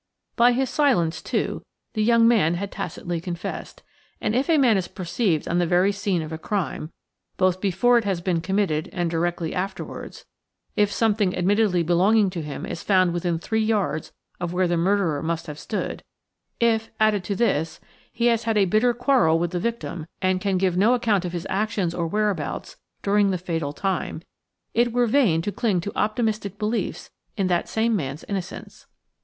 By his silence, too, the young man had tacitly confessed; and if a man is perceived on the very scene of a crime, both before it has been committed and directly afterwards; if something admittedly belonging to him is found within three yards of where the murderer must have stood; if, added to this, he has had a bitter quarrel with the victim, and can give no account of his actions or whereabouts during the fatal time, it were vain to cling to optimistic beliefs in that same man's innocence.